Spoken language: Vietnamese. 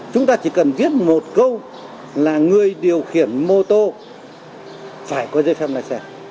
chúng ta chỉ cần viết một câu là người điều khiển mô tô phải có giấy phép lái xe